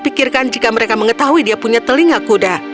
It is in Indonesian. pikirkan jika mereka mengetahui dia punya telinga kuda